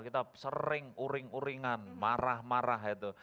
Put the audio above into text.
kita sering uring uringan marah marah itu